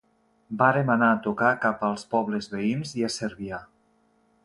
Vàrem anar a tocar cap als pobles veïns i a Cervià.